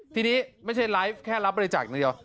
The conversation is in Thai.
ทีนี้ไม่ใช่ไลฟ์แค่รับบริจาคอย่างเดียว